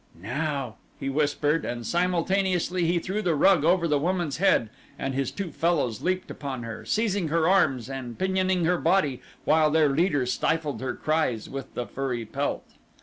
"Now," he whispered and simultaneously he threw the rug over the woman's head and his two fellows leaped upon her, seizing her arms and pinioning her body while their leader stifled her cries with the furry pelt.